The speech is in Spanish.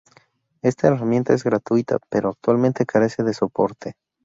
Esta herramienta es gratuita pero actualmente carece de soporte.